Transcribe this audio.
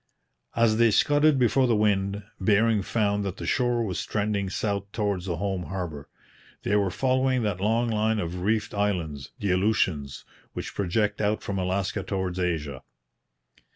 As they scudded before the wind, Bering found that the shore was trending south towards the home harbour. They were following that long line of reefed islands, the Aleutians, which project out from Alaska towards Asia.